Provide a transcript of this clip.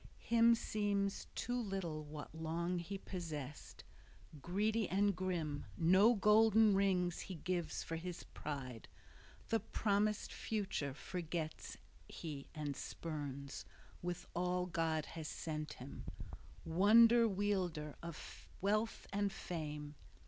{25a} Him seems too little what long he possessed. Greedy and grim, no golden rings he gives for his pride; the promised future forgets he and spurns, with all God has sent him, Wonder Wielder, of wealth and fame.